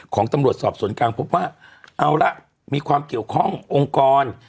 ของตำรวจสอบสวนกลางพบว่าเอาละมีความเกี่ยวข้ององค์กร